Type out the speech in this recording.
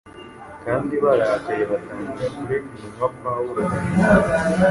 kandi barakaye batangira kurega intumwa Pawulo bavuga